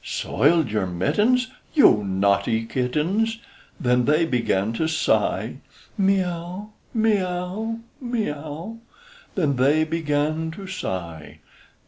Soiled your mittens! You naughty kittens! Then they began to sigh, Mee ow, mee ow, mee ow, Then they began to sigh.